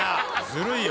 ずるいよ。